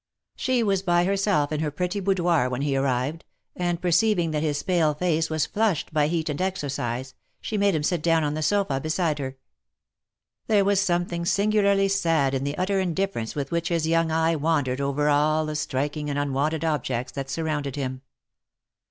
She was by herself in her pretty boudoir when he arrived, and per ceiving that his pale face was flushed by heat and exercise, she made him sit down on the sofa, beside her. There was something singularly sad in the utter indifference with which his young eye wandered over all the striking and unwonted ob jects that surrounded him.